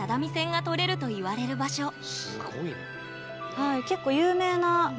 はい。